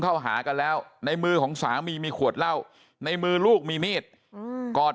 เข้าหากันแล้วในมือของสามีมีขวดเหล้าในมือลูกมีมีดก่อน